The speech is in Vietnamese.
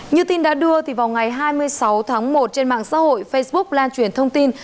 như tin đã đưa vào ngày hai mươi sáu tháng một trên mạng xã hội facebook lan truyền thông tin